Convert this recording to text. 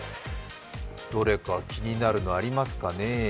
どれか気になるのありますかね？